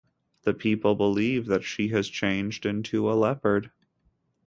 The people believe that she has changed into a leopard.